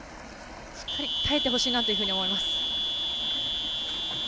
しっかり耐えてほしいなと思います。